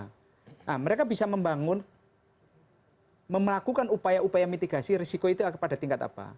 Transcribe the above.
nah mereka bisa membangun melakukan upaya upaya mitigasi risiko itu kepada tingkat apa